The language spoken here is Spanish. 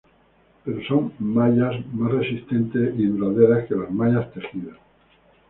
Pero son mallas más resistentes y duraderas que las mallas tejidas.